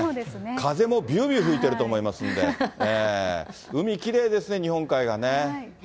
風もびゅーびゅー吹いてると思いますので、海きれいですね、日本海がね。